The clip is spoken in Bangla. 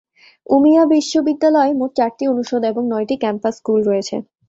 উমিয়া বিশ্ববিদ্যালয়ে মোট চারটি অনুষদ এবং নয়টি ক্যাম্পাস স্কুল রয়েছে।